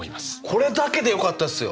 これだけでよかったですよ。